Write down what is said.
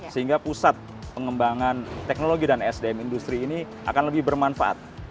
sehingga pusat pengembangan teknologi dan sdm industri ini akan lebih bermanfaat